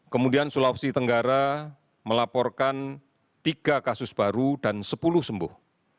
kemudian sulawesi tenggara melaporkan tiga kasus baru dan sepuluh sembuh